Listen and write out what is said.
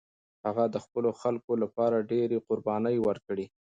هغه د خپلو خلکو لپاره ډېرې قربانۍ ورکړې.